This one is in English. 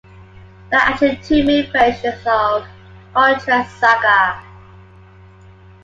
There are actually two main versions of "Gautreks saga".